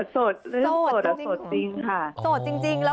โสดเรื่องโสดโสดจริงค่ะ